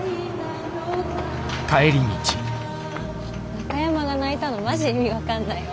中山が泣いたのマジ意味分かんないわ。